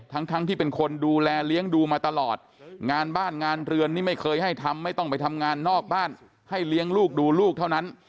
ทั้งทั้งที่เป็นคนดูแลเลี้ยงดูมาตลอดงานบ้านงานเรือนนี่ไม่เคยให้ทำไม่ต้องไปทำงานนอกบ้านให้เลี้ยงลูกดูลูกเท่านั้น